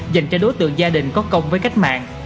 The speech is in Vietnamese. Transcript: dành cho đối tượng gia đình có công với cách mạng